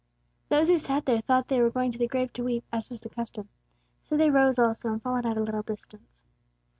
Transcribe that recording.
Those who sat there thought they were going to the grave to weep, as was the custom. So they rose also, and followed at a little distance.